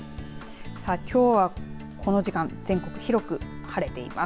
さあきょうはこの時間全国広く晴れています。